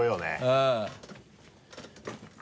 うん。